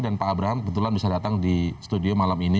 dan pak abraham kebetulan bisa datang di studio malam ini